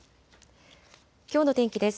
きょうの天気です。